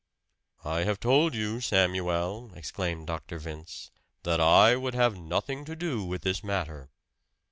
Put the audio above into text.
"I have told you, Samuel," exclaimed Dr. Vince, "that I would have nothing to do with this matter."